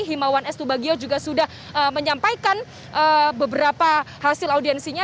himawan s tubagio juga sudah menyampaikan beberapa hasil audiensinya